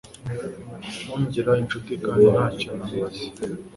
ungira incuti kandi ntacyo namaze